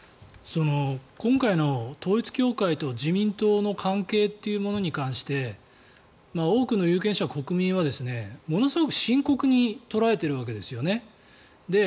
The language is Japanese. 今回の統一教会と自民党の関係というものに関して多くの有権者、国民はものすごく深刻に捉えているわけですね。